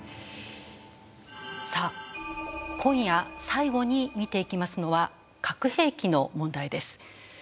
さあ今夜最後に見ていきますのは核兵器の問題です。